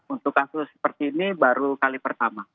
untuk kasus seperti ini baru kali pertama